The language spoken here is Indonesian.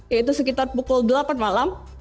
yaitu sekitar pukul delapan malam